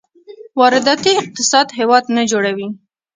وارداتي اقتصاد هېواد نه جوړوي.